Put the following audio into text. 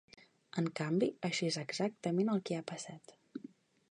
En canvi, això és exactament el que ha passat.